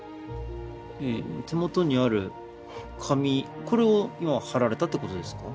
手元にある紙これを今貼られたってことですか？